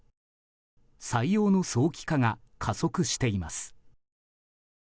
採用の早期化が加速しています。